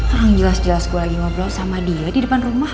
orang jelas jelas gue lagi ngobrol sama dia di depan rumah